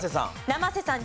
生瀬さん